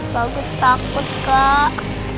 bagus takut kok